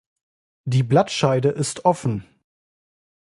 Die Blattscheide ist offen.